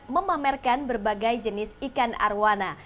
memamerkan berbagai jenis ikan arowana